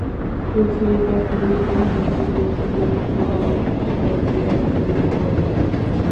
সুচরিতা কহিল, হিন্দু যদি দল নয় তবে দলাদলি করে কেন?